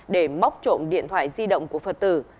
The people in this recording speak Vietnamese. để móc trộm điện thoại di động của phật tử